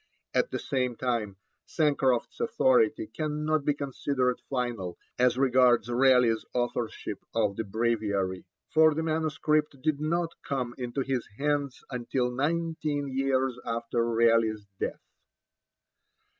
At the same time Sancroft's authority cannot be considered final as regards Raleigh's authorship of the Breviary, for the manuscript did not come into his hands until nineteen years after Raleigh's death.